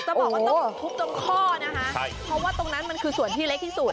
จะบอกว่าต้องทุบตรงข้อนะคะเพราะว่าตรงนั้นมันคือส่วนที่เล็กที่สุด